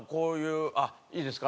あっいいですか？